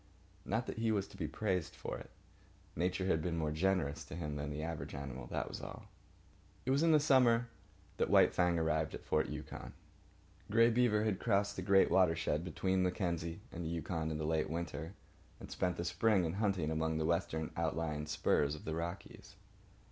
Not that he was to be praised for it. Nature had been more generous to him than to the average animal, that was all. It was in the summer that White Fang arrived at Fort Yukon. Grey Beaver had crossed the great watershed between Mackenzie and the Yukon in the late winter, and spent the spring in hunting among the western outlying spurs of the Rockies.